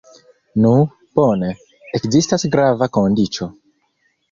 Nu, bone, ekzistas grava kondiĉo.